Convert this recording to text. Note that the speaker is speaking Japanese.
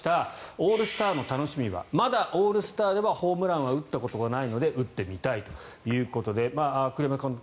オールスターの楽しみはまだオールスターではホームランは打ったことがないので打ってみたいということで栗山監督